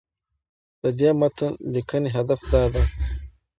د دې متن لیکنې هدف دا دی